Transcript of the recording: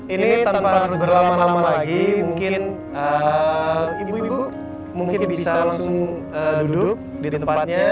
ini tanpa harus berlama lama lagi mungkin ibu ibu mungkin bisa langsung duduk di tempatnya